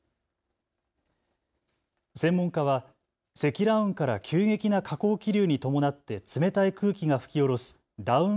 専門家は積乱雲から急激な下降気流に伴って冷たい空気が吹き降ろすダウン